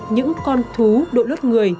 những con thú đội lớp người